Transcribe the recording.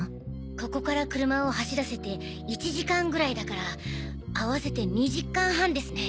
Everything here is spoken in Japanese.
ここから車を走らせて１時間ぐらいだから合わせて２時間半ですね！